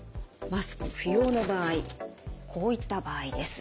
マスク不要の場合こういった場合です。